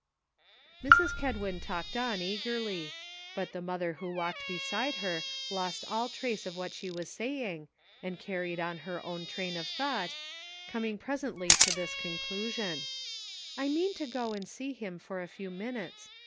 Mrs. Kedwin talked on eagerly; but the mother who walked beside her lost all trace of what she was saying, and carried on her own train of thought, coming presently to this con clusion : "I mean to go and see him for a few minutes.